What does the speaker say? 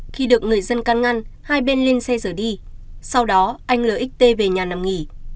khi được người dân căng ngăn hai bên lên xe rở đi sau đó anh lxt về nhà nằm nghỉ